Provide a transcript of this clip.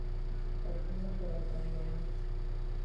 تصمیم خردمندانه